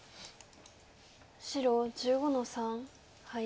白１５の三ハイ。